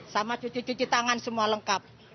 sama cuci cuci tangan semua lengkap